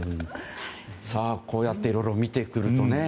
こうやっていろいろ見てくるとね